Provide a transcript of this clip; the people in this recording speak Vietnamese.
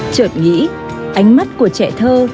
trợt nghĩ ánh mắt của trẻ thơ